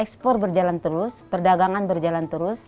ekspor berjalan terus perdagangan berjalan terus